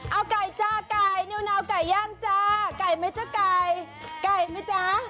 เอาไก่จ้าไก่นิวนาวไก่ย่างจ้าไก่ไหมจ๊ะไก่ไก่ไหมจ๊ะ